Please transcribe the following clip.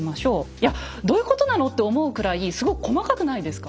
いやどういうことなのって思うくらいすごく細かくないですか？